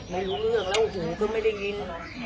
ไม่รู้เรื่องแล้วหูก็ไม่ได้ยิน